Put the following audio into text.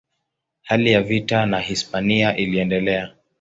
Hali ya vita na Hispania iliendelea.